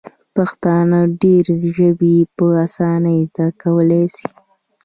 پښتانه ډیري ژبي په اسانۍ زده کولای سي.